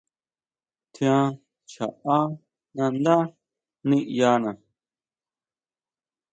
Tjián chaʼá nandá niʼyana.